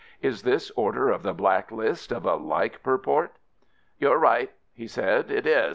Is this Order of the Black List of a like purport?" "You're right," he said, "it is.